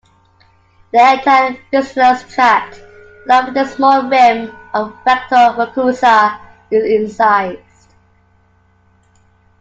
The entire fistulous tract, along with a small rim of rectal mucosa is incised.